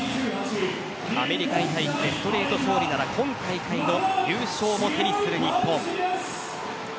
アメリカにストレート勝利なら今大会の優勝も手にする日本。